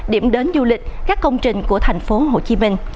điểm đến du lịch các công trình của thành phố hồ chí minh